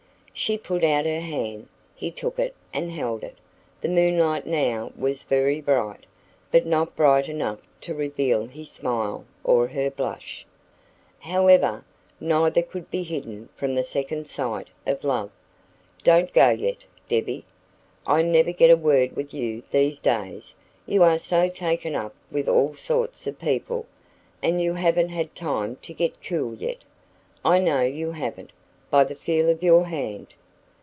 She put out her hand. He took it and held it. The moonlight now was very bright, but not bright enough to reveal his smile or her blush. However, neither could be hidden from the second sight of love. "Don't go yet, Debbie. I never get a word with you these days, you are so taken up with all sorts of people. And you haven't had time to get cool yet. I know you haven't by the feel of your hand."